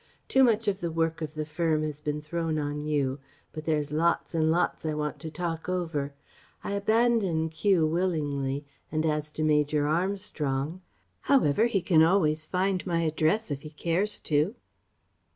Too much of the work of the firm has been thrown on you.... But there's lots and lots I want to talk over. I abandon Kew, willingly, and as to Major Armstrong.... However he can always find my address if he cares to..."